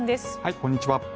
こんにちは。